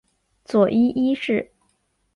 佐伊一世。